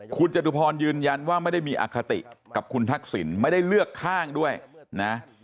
คุณจตุพรยืนยันว่าไม่ได้มีอคติกับคุณทักษิณไม่ได้เลือกข้างด้วยนะ